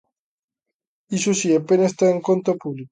Iso si, apenas ten en conta o público.